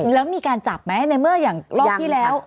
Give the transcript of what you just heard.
แล้วมีการจับไหมในเมื่ออย่างรอบที่แล้ว